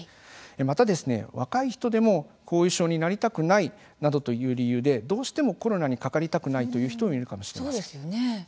また、若い人でも後遺症になりたくないなどという理由で、どうしてもコロナにかかりたくないという人もいるかもしれません。